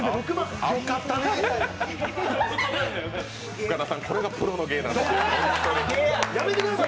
深田さん、これがプロの芸なんですよ。